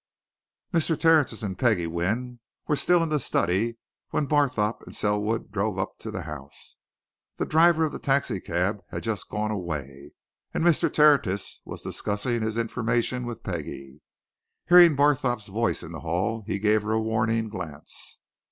Mr. Tertius and Peggie Wynne were still in the study when Barthorpe and Selwood drove up to the house. The driver of the taxi cab had just gone away, and Mr. Tertius was discussing his information with Peggie. Hearing Barthorpe's voice in the hall he gave her a warning glance.